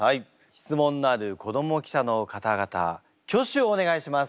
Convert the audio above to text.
質問のある子ども記者の方々挙手をお願いします。